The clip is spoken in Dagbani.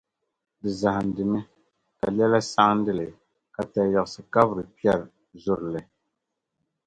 di zahindimi, ka lɛla saɣindi li, ka tayiɣisi kabiri kpɛri zuri li.